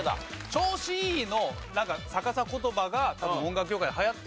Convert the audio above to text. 「調子いい」の逆さ言葉が多分音楽業界で流行って